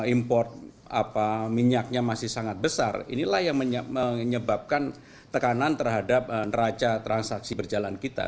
import minyaknya masih sangat besar inilah yang menyebabkan tekanan terhadap neraca transaksi berjalan kita